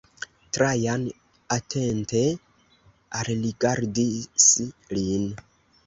Trajan atente alrigardis lin.